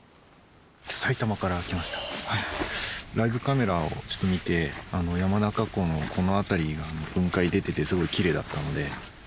ライブカメラをちょっと見て山中湖のこの辺りに雲海出ててすごいきれいだったので。